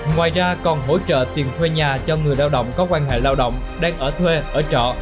ngoài ra còn hỗ trợ tiền thuê nhà cho người lao động có quan hệ lao động đang ở thuê ở trọ